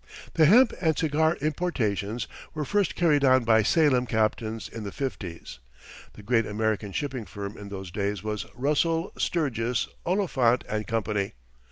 The hemp and cigar importations were first carried on by Salem captains in the fifties. The great American shipping firm in those days was Russell, Sturgis, Oliphant and Company.